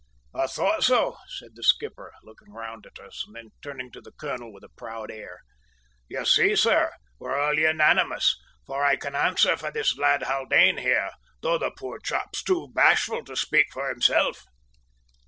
"I thought so," said the skipper, looking round at us and then turning to the colonel with a proud air. "You see, sir, we're all unanimous; for I can answer for this lad Haldane, here, though the poor chap's too bashful to speak for himself!"